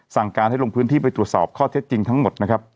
สั่งการให้ลงพื้นที่ไปตรวจสอบข้อเท็จจริงทั้งหมดนะครับ